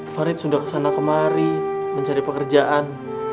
farid sudah kesana kemari mencari pekerjaan